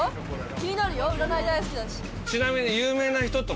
気になるよ